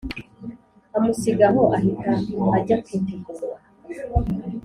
amusiga aho ahita ajyakwitegura.